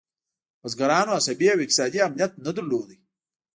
بزګرانو عصبي او اقتصادي امنیت نه درلود.